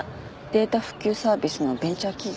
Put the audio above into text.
データ復旧サービスのベンチャー企業。